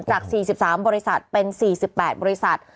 จาก๔๓บริษัทเป็น๔๘บริษัท